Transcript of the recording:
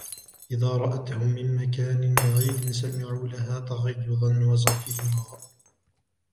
إِذَا رَأَتْهُمْ مِنْ مَكَانٍ بَعِيدٍ سَمِعُوا لَهَا تَغَيُّظًا وَزَفِيرًا